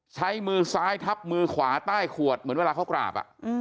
ใช้มือซ้ายทับมือขวาใต้ขวดเหมือนเวลาเขากราบ